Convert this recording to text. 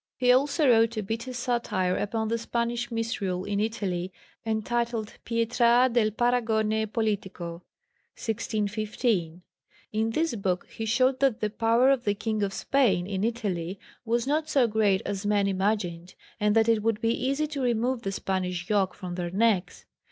He also wrote a bitter satire upon the Spanish misrule in Italy, entitled Pietra del paragone politico (1615). In this book he showed that the power of the King of Spain in Italy was not so great as men imagined, and that it would be easy to remove the Spanish yoke from their necks.